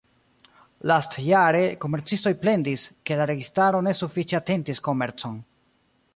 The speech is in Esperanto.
Lastjare komercistoj plendis, ke la registaro ne sufiĉe atentis komercon.